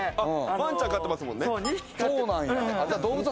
ワンちゃんを飼ってますものね。